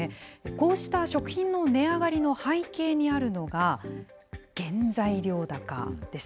こうした食品の値上がりの背景にあるのが、原材料高です。